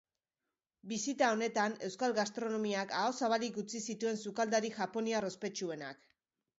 Bisita honetan, euskal gastronomiak aho zabalik utzi zituen sukaldari japoniar ospetsuenak.